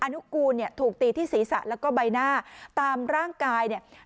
นุกูลเนี่ยถูกตีที่ศีรษะแล้วก็ใบหน้าตามร่างกายเนี่ย